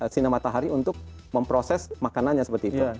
sinar matahari untuk memproses makanannya seperti itu